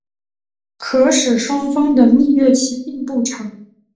可使双方的蜜月期并不长。